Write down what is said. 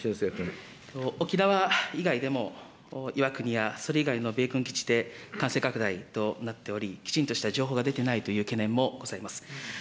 沖縄以外でも、岩国や、それ以外の米軍基地で感染拡大となっており、きちんとした情報が出ていないという懸念もございます。